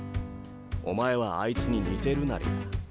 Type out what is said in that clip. お前はあいつに似てるナリャ。